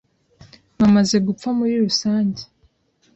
bamaze gupfa muri rusange